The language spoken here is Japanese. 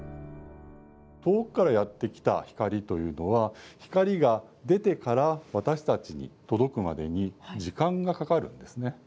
遠くからやって来た光というのは光が出てから私たちに届くまでに時間がかかるんですね。